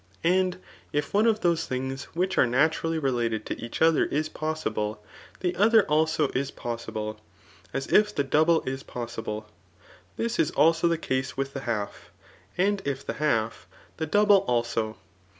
And if one of those things which are na« mrally related to each other is possible, the other also is possible ; as if the double is po»2>le, diis is also die case wah the half ; and if the half, the double also.